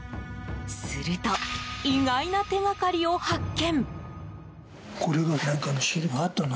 すると、意外な手がかりを発見。